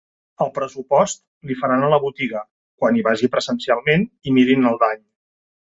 El pressupost li faran a la botiga quan hi vagi presencialment i mirin el dany.